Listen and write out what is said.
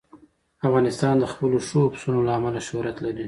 افغانستان د خپلو ښو پسونو له امله شهرت لري.